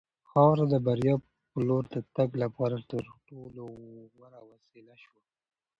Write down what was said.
خاوره د بریا په لور د تګ لپاره تر ټولو غوره وسیله شوه.